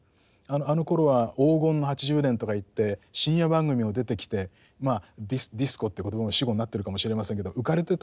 あのころは黄金の８０年とか言って深夜番組も出てきてディスコって言葉も死語になってるかもしれませんけど浮かれてたと。